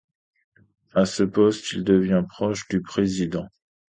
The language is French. À ce poste, il devient proche du président.